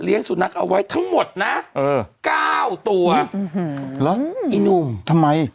เลี้ยงสุนัขเอาไว้ทั้งหมดนะเออ๙ตัวอื้อหือแล้วอีหนุ่มทำไม